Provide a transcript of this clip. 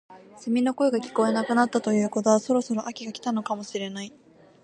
セミの声が聞こえなくなったということはそろそろ秋が来たのかもしれない